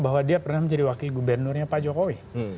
bahwa dia pernah menjadi wakil gubernurnya pak jokowi